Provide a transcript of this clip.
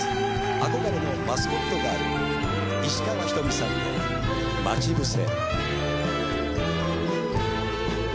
憧れのマスコットガール石川ひとみさんで『まちぶせ』。